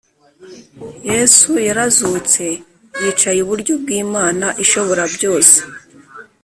Yesu yarazutse yicaye iburyo bw’Imana ishoborabyose